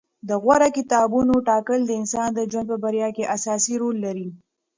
د غوره کتابونو ټاکل د انسان د ژوند په بریا کې اساسي رول لري.